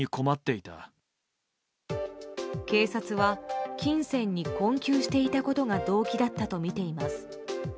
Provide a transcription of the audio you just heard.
警察は金銭に困窮していたことが動機だったとみています。